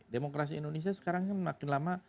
demokrasi indonesia sekarang kan makin lama